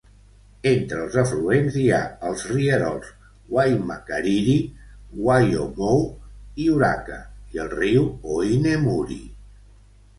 Entre els afluents hi ha els rierols Waimakariri, Waiomou i Oraka, i el riu Ohinemuri.